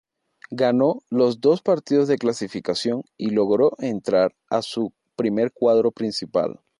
Ganó los dos partidos de clasificación y logró entrar a su primer cuadro principal.